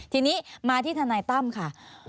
ทีนี้มาที่ทนายตั้มค่ะ